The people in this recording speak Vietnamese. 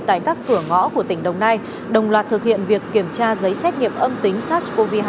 tại các cửa ngõ của tỉnh đồng nai đồng loạt thực hiện việc kiểm tra giấy xét nghiệm âm tính sars cov hai